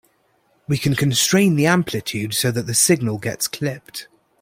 We can constrain the amplitude so that the signal gets clipped.